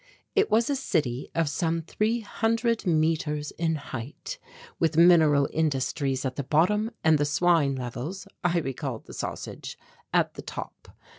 It was a city of some three hundred metres in height with mineral industries at the bottom and the swine levels I recalled the sausage at the top.